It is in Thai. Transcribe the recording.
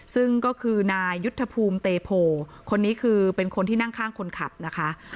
ซึ่งก็คือนายยุทธภูมิเตโพคนนี้คือเป็นคนที่นั่งข้างคนขับนะคะ